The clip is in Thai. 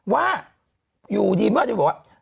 ว่าอยู่ดีเมื่อจะบอกว่า